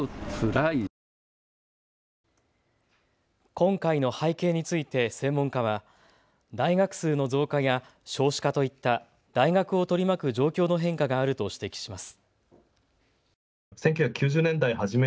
今回の背景について専門家は大学数の増加や少子化といった大学を取り巻く状況の変化があると指摘します。